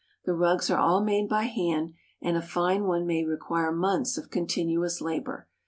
The rugs are all made by hand, and a fine one may require months of continuous labor.